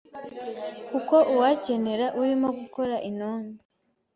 kuko uwukenera urimo gukora inombe